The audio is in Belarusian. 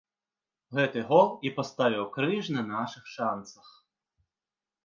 Гэты гол і паставіў крыж на нашых шанцах.